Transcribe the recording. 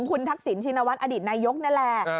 คุณทักษิณชินวัฒนอดีตนายกนั่นแหละ